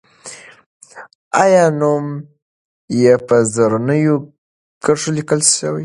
آیا نوم یې په زرینو کرښو لیکل سوی؟